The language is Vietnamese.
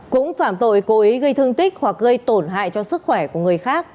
cũng phạm tội cố ý gây thương tích hoặc gây tổn hại cho sức khỏe của người khác